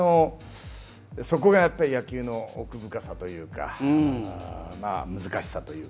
そこがやっぱり野球の奥深さというか難しさというか。